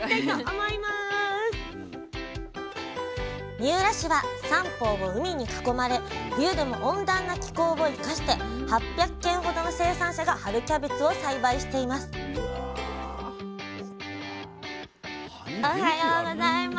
三浦市は三方を海に囲まれ冬でも温暖な気候を生かして８００軒ほどの生産者が春キャベツを栽培していますおはようございます。